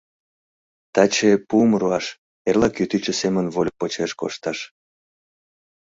Таче пуым руаш, эрла кӱтӱчӧ семын вольык почеш кошташ.